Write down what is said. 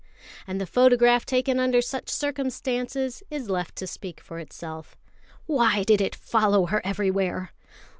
And the photograph taken under such circumstances is left to speak for itself. Why did it follow her everywhere?